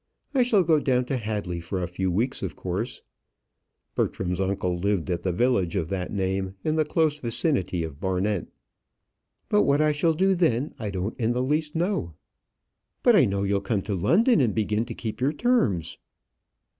I shall go down to Hadley for a few weeks of course" Bertram's uncle lived at the village of that name, in the close vicinity of Barnet "but what I shall do then, I don't in the least know." "But I know you'll come to London and begin to keep your terms."